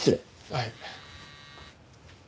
はい。